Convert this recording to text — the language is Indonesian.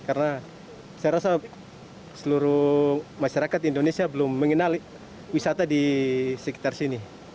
karena saya rasa seluruh masyarakat indonesia belum mengenali wisata di sekitar sini